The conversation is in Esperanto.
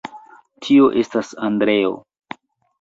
Tio estis Andreo.